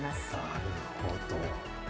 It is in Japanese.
なるほど。